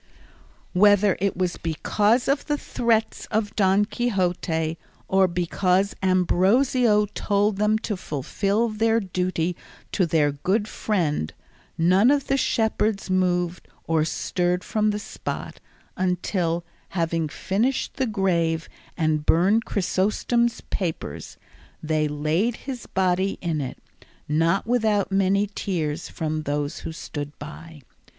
Whether it was because of the threats of Don Quixote, or because Ambrosio told them to fulfil their duty to their good friend, none of the shepherds moved or stirred from the spot until, having finished the grave and burned Chrysostom's papers, they laid his body in it, not without many tears from those who stood by.